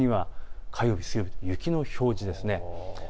宇都宮や火曜日、水曜日雪の表示ですね。